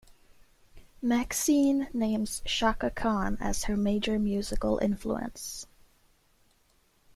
Maxine names Chaka Khan as her major musical influence.